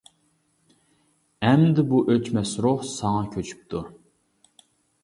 ئەمدى بۇ ئۆچمەس روھ ساڭا كۆچۈپتۇ.